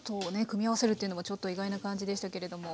組み合わせるっていうのもちょっと意外な感じでしたけれども。